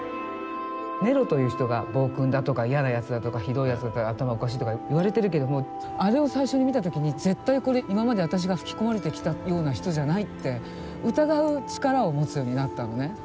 ネロという人が暴君だとか嫌なやつだとかひどいやつだとか頭おかしいとか言われてるけどもあれを最初に見た時に絶対これ今まで私が吹き込まれてきたような人じゃないって疑う力を持つようになったのね。